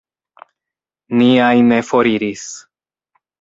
Niaj ne foriris.